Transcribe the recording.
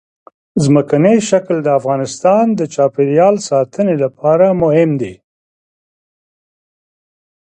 ځمکنی شکل د افغانستان د چاپیریال ساتنې لپاره مهم دي.